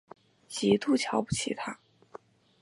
极度瞧不起他